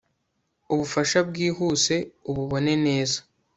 ubufasha bwihuse ububone neza